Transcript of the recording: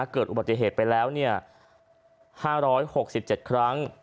เกิดอุบัติเหตุไปแล้ว๕๖๗ครั้ง